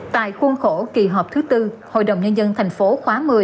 tại khuôn khổ kỳ họp thứ tư hội đồng nhân dân thành phố khóa một mươi